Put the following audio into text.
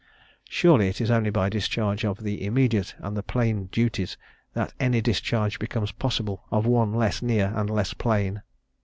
Surely, it is only by discharge of the immediate and the plain duty that any discharge becomes possible of one less near and less plain.